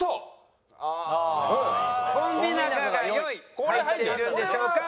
「コンビ仲が良い」入っているんでしょうか？